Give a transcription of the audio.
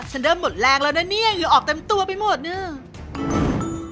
เริ่มหมดแรงแล้วนะเนี่ยอยู่ออกเต็มตัวไปหมดเนี่ย